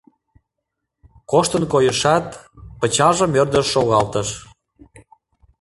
Коштын койышат, пычалжым ӧрдыш шогалтыш.